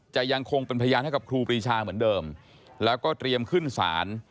ยังคงเป็นพยานให้กับครูปรีชาเหมือนเดิมแล้วก็เตรียมขึ้นศาล